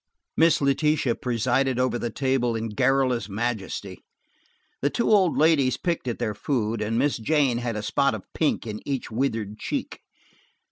Miss Letitia presided over the table in garrulous majesty. The two old ladies picked at their food, and Miss Jane had a spot of pink in each withered cheek.